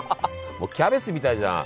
もうキャベツみたいじゃん。